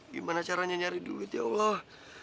gimana caranya nyari duit ya allah